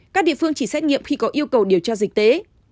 các địa phương chỉ xét nghiệm khi có yêu cầu điều tra dịch tế